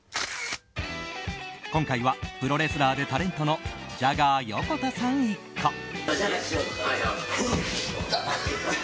今回は、プロレスラーでタレントのジャガー横田さん一家。